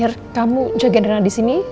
biar kamu jaga renan di sini